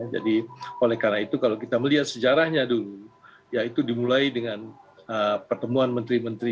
jadi oleh karena itu kalau kita melihat sejarahnya kita bisa mengerti bahwa ini adalah pertemuan yang sangat tinggi